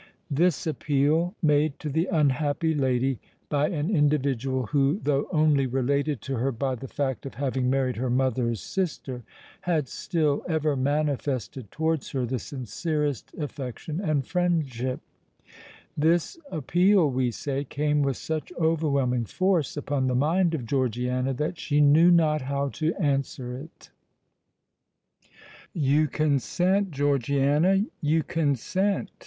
This appeal, made to the unhappy lady by an individual who, though only related to her by the fact of having married her mother's sister, had still ever manifested towards her the sincerest affection and friendship,—this appeal, we say, came with such overwhelming force upon the mind of Georgiana, that she knew not how to answer it. "You consent, Georgiana—you consent!"